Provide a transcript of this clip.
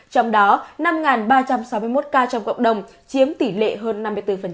trong đó năm ba trăm sáu mươi một ca trong cộng đồng chiếm tỷ lệ hơn năm mươi bốn